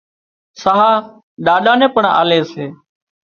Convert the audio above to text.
ساهَه ڏاڏا نين پڻ آلي سي